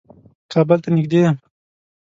کابل ته نېږدې يم.